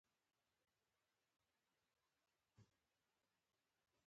چې رنتنبور زندان نه دی، بلکې د مغولي دورې یوه شاهانه کلا ده